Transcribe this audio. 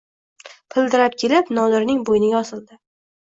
Pildirab kelib Nodirning bo‘yniga osildi.